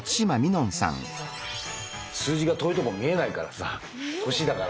数字が遠いとこ見えないからさ年だから。